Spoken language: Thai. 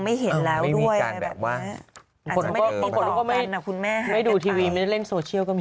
ไม่เห็นแล้วด้วยแบบว่าไม่ติดต่อกันนะคุณแม่ให้ดูทีวีนะเล่นโซเชียลก็มี